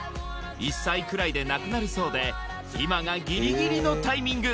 １歳くらいでなくなるそうで今がギリギリのタイミング